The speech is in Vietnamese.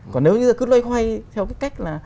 còn nếu như cứ loay hoay theo cái cách là